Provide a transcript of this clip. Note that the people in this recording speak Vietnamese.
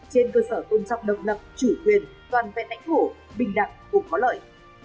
trên cơ sở tôn trọng độc lập chủ quyền toàn vẹn ảnh hổ bình đẳng cũng có lợi